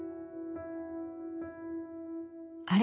あれ？